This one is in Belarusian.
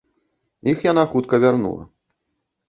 Іх яна хутка вярнула.